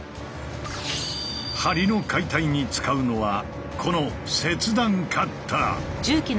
梁の解体に使うのはこの「切断カッター」。